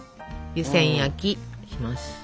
湯せん焼きします。